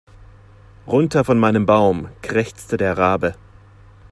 Runter von meinem Baum, krächzte der Rabe.